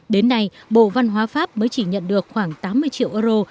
đến nay bộ văn hóa pháp mới chỉ nhận được khoảng tám mươi triệu euro